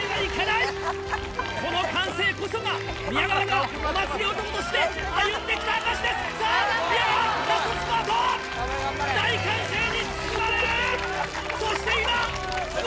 この歓声こそが、宮川がお祭り男として歩んできた証しです。